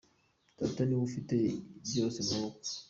Data ni we ufite byose mu maboko.